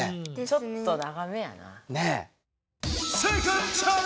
ちょっと長めやな。